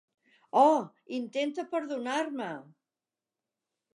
Oh, intenta perdonar-me!